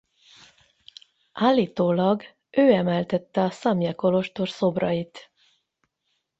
Állítólag ő emeltette a Szamje kolostor szobrait.